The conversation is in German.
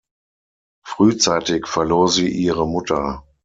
Frühzeitig verlor sie ihre Mutter.